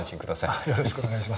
あよろしくお願いします。